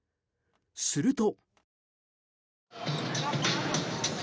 すると。